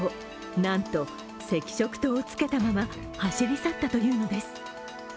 なんと赤色灯をつけたまま走り去ったというのです。